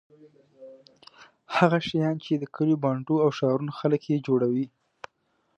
هغه شیان چې د کلیو بانډو او ښارونو خلک یې جوړوي.